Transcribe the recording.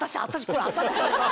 これ私。